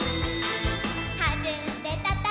「はずんでたたけば」